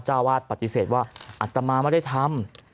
เจ้าวาดปฏิเสธว่าอัตมาไม่ได้ทำ